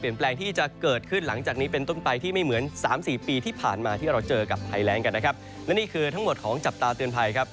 แล้วนี่คือทั้งหมดของจับตาเตือนภัยครับ